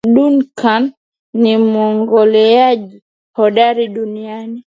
Duncan ni mwogeleaji hodari duniani.